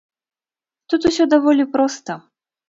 Тут усё даволі проста.